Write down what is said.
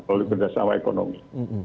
oleh berdasarkan ekonomi